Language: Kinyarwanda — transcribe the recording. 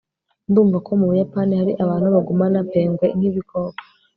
Ndumva ko mubuyapani hari abantu bagumana pingwin nkibikoko